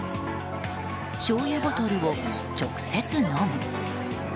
しょうゆボトルを直接飲む。